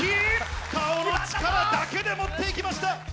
顔の力だけで持って行きました！